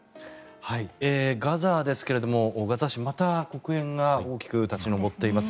ガザですがガザ市、また黒煙が大きく立ち上っています。